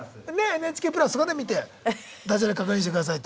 ＮＨＫプラスとかで見てダジャレ確認してくださいと。